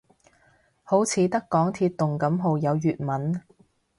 好似得港鐵動感號有粵文